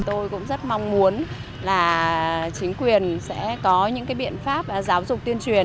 tôi cũng rất mong muốn là chính quyền sẽ có những cái biện pháp giáo dục tuyên truyền